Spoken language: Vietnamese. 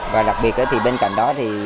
và đặc biệt thì bên cạnh đó